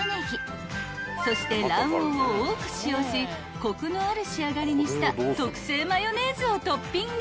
そして卵黄を多く使用しコクのある仕上がりにした特製マヨネーズをトッピング］